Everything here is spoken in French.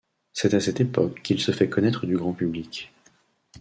C'est à cette époque qu'il se fait connaître du grand public.